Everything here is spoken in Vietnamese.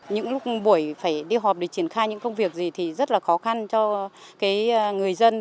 những lúc buổi phải đi họp để triển khai những công việc gì thì rất là khó khăn cho người dân